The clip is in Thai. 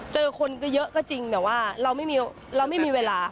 เจอคนก็เยอะก็จริงแต่ว่าเราไม่มีเวลา